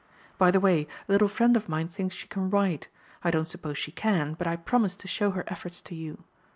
By the way, a little friend of mine thinks she can write. I don't suppose she can, but I promised to show her efforts to you.